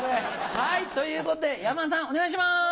はいということで山田さんお願いします。